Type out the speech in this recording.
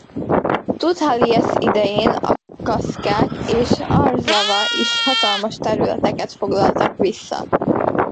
Tudhalijasz idején a kaszkák és Arzava is hatalmas területeket foglaltak vissza.